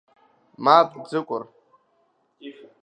Мап, Ӡыкәыр!